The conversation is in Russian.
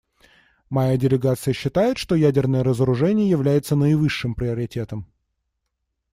Моя делегация считает, что ядерное разоружение является наивысшим приоритетом.